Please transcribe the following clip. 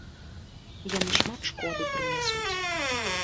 Яны шмат шкоды прынясуць.